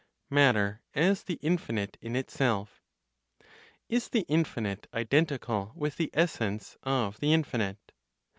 MATTER AS THE INFINITE IN ITSELF. Is the infinite identical with the essence of the infinite?